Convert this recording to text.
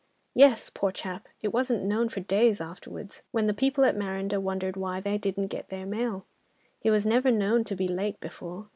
Yes! poor chap, it wasn't known for days afterwards, when the people at Marondah wondered why they didn't get their mail. He was never known to be late before.